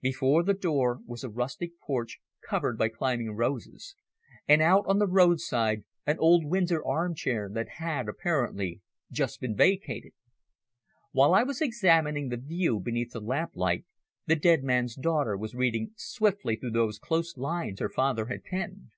Before the door was a rustic porch covered by climbing roses, and out on the roadside an old Windsor armchair that had apparently just been vacated. While I was examining the view beneath the lamp light, the dead man's daughter was reading swiftly through those close lines her father had penned.